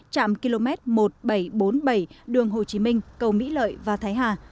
trạm km một nghìn bảy trăm bốn mươi bảy đường hồ chí minh cầu mỹ lợi và thái hà